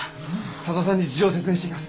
佐田さんに事情説明してきます。